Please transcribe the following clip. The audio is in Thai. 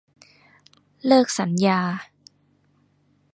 เลิกสัญญา